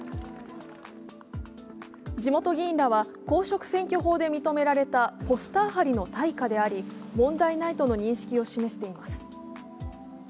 地元議員らは、公職選挙法で認められたポスター貼りの対価であり問題ないとの認識を示しています。